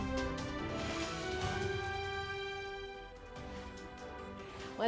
dan ini adalah kembali